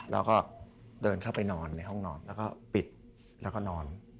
แล้วก็เดินเข้าไปนอนในห้องนอนแล้วก็ปิดแล้วก็นอน